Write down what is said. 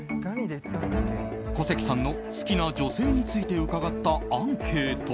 小関さんの好きな女性について伺ったアンケート。